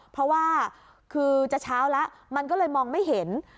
เพราะว่าคือจะเช้าแล้วมันก็เลยมองไม่เห็น